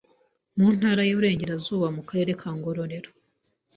Mu ntara y’Uburengerazuba, mu karere ka Ngororero